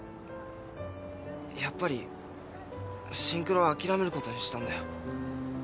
やっぱりシンクロはあきらめることにしたんだよ。